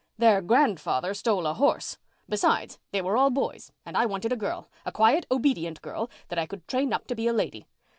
Their grandfather stole a horse. Besides, they were all boys and I wanted a girl—a quiet, obedient girl that I could train up to be a lady.